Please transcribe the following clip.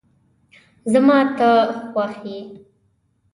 زما ته خوښ یی